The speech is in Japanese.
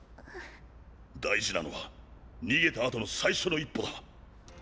大事なのは逃げた後の最初の一歩だ。